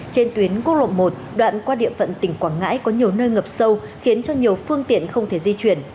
trên tuyến quốc lộ một đoạn qua địa phận tỉnh quảng ngãi có nhiều nơi ngập sâu khiến cho nhiều phương tiện không thể di chuyển